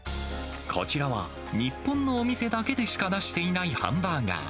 こちらは、日本のお店だけでしか出していないハンバーガー。